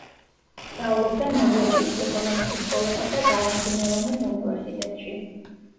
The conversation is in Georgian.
სწავლობდა ნორვეგიის ეკონომიკის სკოლასა და კარნეგი-მელონის უნივერსიტეტში.